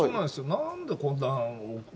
なんでこんな。